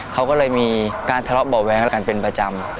เขาก็เลยมีการทะเลาะเบาะแว้งอะไรกันเป็นประจำ